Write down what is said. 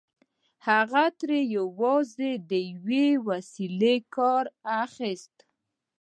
هغه ترې يوازې د يوې وسيلې کار اخيست.